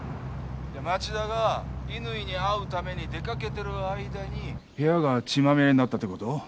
町田が乾に会うために出掛けてる間に部屋が血まみれになったってこと？